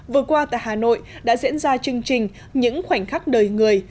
vừa qua tại hà nội đã diễn ra chương trình những khoảnh khắc đời người